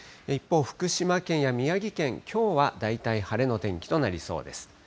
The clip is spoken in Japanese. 一方、福島県や宮城県、きょうは大体晴れの天気となりそうです。